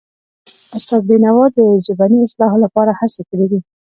استاد بینوا د ژبني اصلاح لپاره هڅې کړی دي.